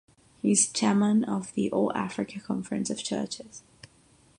He is Chairman of the All Africa Conference of Churches.